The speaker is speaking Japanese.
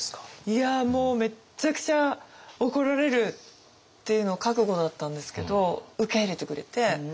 いやもうめっちゃくちゃ怒られるっていうのを覚悟だったんですけど受け入れてくれて。